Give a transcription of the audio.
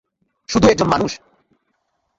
শুধু একজন মানুষ!